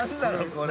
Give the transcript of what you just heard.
これ。